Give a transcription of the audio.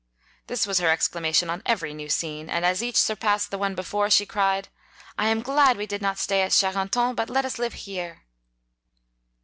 This was her exclamation on every new scene, and as each surpassed the one before, she cried, " I am glad we did not stay at Charenton, but let us live here."